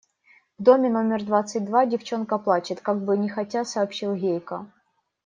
В доме номер двадцать два девчонка плачет, – как бы нехотя сообщил Гейка.